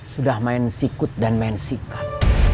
sudah main sikut dan main sikat